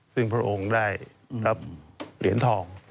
ซึ่งพระองค์ได้รับเหรียญทอง